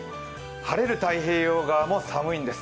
晴れる太平洋側も寒いんです。